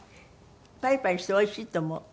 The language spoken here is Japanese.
パリパリしておいしいと思う。